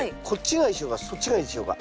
こっちがいいでしょうか？